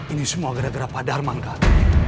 ini semua gara gara pak darman kan